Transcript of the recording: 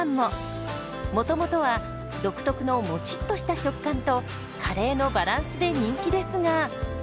もともとは独特のモチッとした食感とカレーのバランスで人気ですが。